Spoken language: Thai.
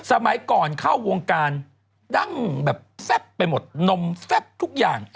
สมัยก่อนเข้าวงการดั้งแบบแซ่บไปหมดนมแซ่บทุกอย่าง